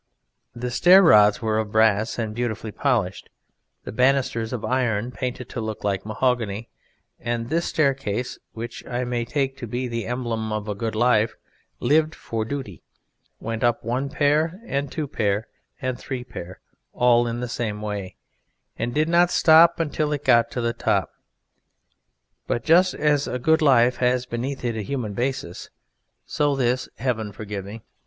The stair rods were of brass and beautifully polished, the banisters of iron painted to look like mahogany; and this staircase, which I may take to be the emblem of a good life lived for duty, went up one pair, and two pair, and three pair all in the same way, and did not stop till it got to the top. But just as a good life has beneath it a human basis so this (heaven forgive me!)